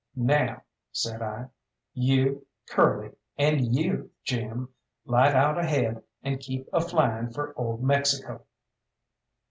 "Now," said I, "you, Curly, and you, Jim, light out ahead and keep a flying for old Mexico."